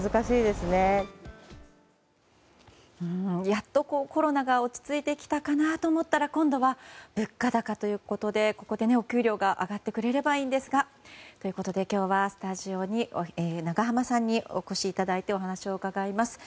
やっとコロナが落ち着いてきたかなと思ったら今度は物価高ということでここでお給料が上がってくれればいいんですが。ということで今日はスタジオに永濱さんにお越しいただいてお話を伺います。